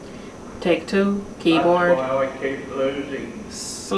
That's why I keep losing.